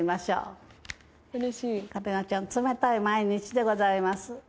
冷たい毎日でございます。